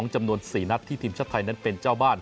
จำนวน๔นัดที่ทีมชาติไทยนั้นเป็นเจ้าบ้าน